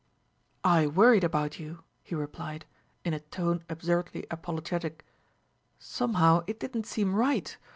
"I worried about you," he replied, in a tone absurdly apologetic. "Somehow it didn't seem right.